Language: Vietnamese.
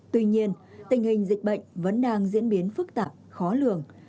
tuy nhiên tình hình dịch bệnh vẫn đang diễn biến phức tạp khó lường